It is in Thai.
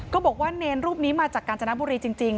บอกว่าเนรรูปนี้มาจากกาญจนบุรีจริง